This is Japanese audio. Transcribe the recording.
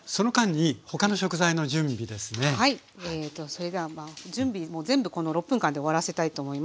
それでは準備も全部この６分間で終わらせたいと思います。